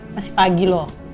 masih pagi loh